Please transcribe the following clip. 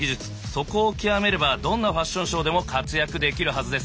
そこを極めればどんなファッションショーでも活躍できるはずです。